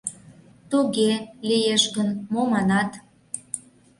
— Туге... лиеш гын, мо манат...